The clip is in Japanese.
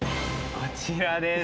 こちらです。